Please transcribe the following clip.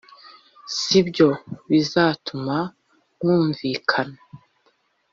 sibyo bizatuma mwumvikana.